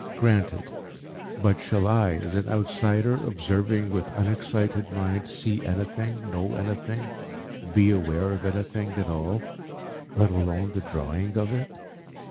Granted. But shall I, as an outsider, observing with unexcited mind, see anything, know anything, be aware of anything at all, let alone the drawing of it?"